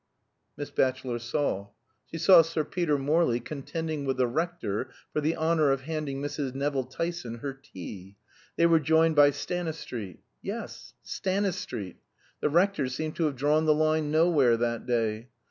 Miss Batchelor saw. She saw Sir Peter Morley contending with the rector for the honor of handing Mrs. Nevill Tyson her tea. They were joined by Stanistreet. Yes, Stanistreet. The rector seemed to have drawn the line nowhere that day.